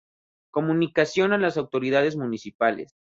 Comunicación a las autoridades municipales.